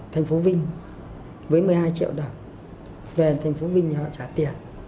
thành phố vinh với một mươi hai triệu đồng về thành phố vinh họ trả tiền